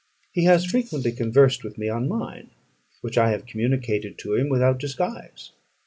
He has frequently conversed with me on mine, which I have communicated to him without disguise.